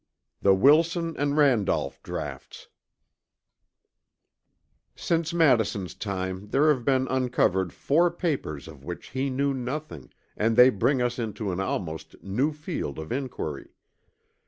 CHAPTER XI THE WILSON AND RANDOLPH DRAUGHTS Since Madison's time there have been uncovered four papers of which he knew nothing, and they bring us into an almost new field of inquiry.